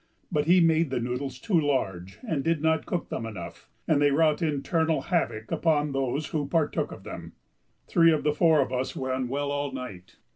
But he made the noodles too large and did not cook them enough, and they wrought internal havoc upon those who partook of them. Three of the four of us were unwell all night.